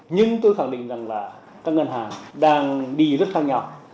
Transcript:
nhưng tôi khẳng định rằng là các ngân hàng đang đi rất thăng nhọc